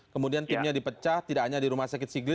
kemudian timnya dipecah tidak hanya di rumah sakit sigri